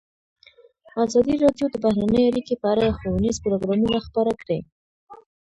ازادي راډیو د بهرنۍ اړیکې په اړه ښوونیز پروګرامونه خپاره کړي.